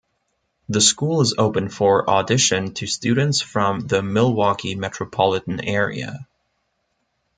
The school is open for audition to students from the Milwaukee metropolitan area.